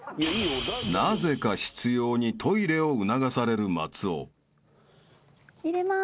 ［なぜか執拗にトイレを促される松尾］入れます。